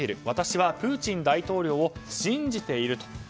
私はプーチン大統領を信じていると。